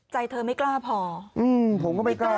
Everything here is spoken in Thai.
ใจเธอไม่กล้าพอผมก็ไม่กล้า